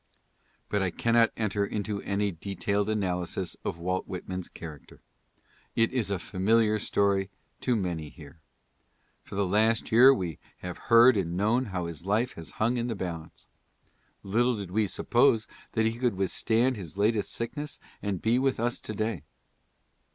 But I cannot enter into any detailed analysis of Walt Whit man's character. It is a familiar story to many here. For the last year we have heard and known how his life has hung in the balance. Little did we suppose that he could withstand his latest sickness and be with us to day.